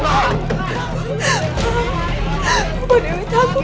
kalau ngelirutan pak